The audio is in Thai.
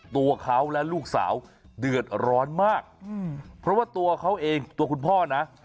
ตัวเขาและลูกสาวเดือดร้อนมากเพราะว่าตัวเขาเองตัวคุณพ่อนะ